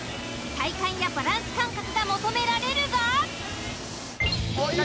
［体幹やバランス感覚が求められるが］